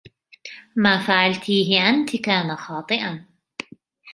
ما فعلتيهِ أنتِ كان خاطئاً.